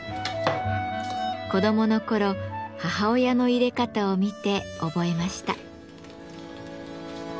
子どもの頃母親のいれ方を見て覚えました。